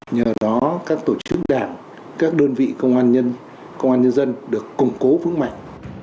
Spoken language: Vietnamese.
nhờ đó các tổ chức đảng các đơn vị công an công an nhân dân được củng cố vững mạnh